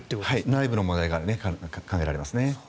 内部の問題が考えられますね。